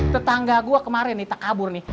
tetangga gue kemarin nih tak kabur nih